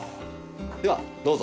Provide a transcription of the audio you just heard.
では、どうぞ。